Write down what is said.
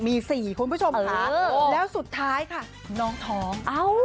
มีสี่คุณผู้ชมค่ะเออแล้วสุดท้ายค่ะน้องท้องอ้าว